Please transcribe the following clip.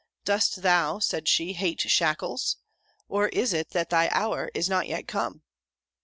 "Dost thou," said she, "hate shackles? Or is it, that thy hour is not yet come?"